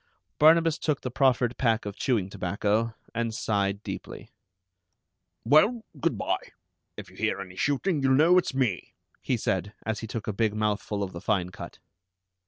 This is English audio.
Barnabas took the proffered pack of chewing tobacco, and sighed deeply. "Well, good by. If you hear any shooting, you'll know it's me," he said, as he took a big mouthful of the fine cut.